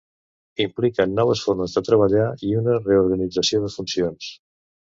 "Impliquen noves formes de treballar i una reorganització de funcions".